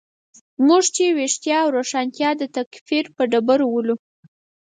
موږ چې ویښتیا او روښانتیا د تکفیر په ډبرو ولو.